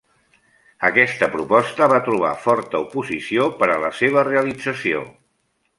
Aquesta proposta va trobar forta oposició per a la seva realització.